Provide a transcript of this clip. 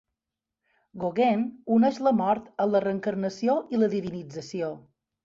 Gauguin uneix la mort amb la reencarnació i la divinització.